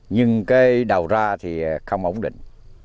nhưng cây đầu ra thì không ổn định